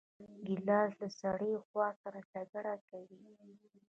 ګیلاس له سړې هوا سره جګړه کوي.